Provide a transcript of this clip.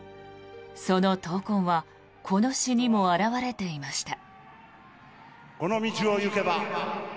その闘魂はこの詩にも表れていました。